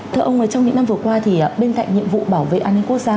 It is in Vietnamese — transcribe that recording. thưa ông trong những năm vừa qua thì bên cạnh nhiệm vụ bảo vệ an ninh quốc gia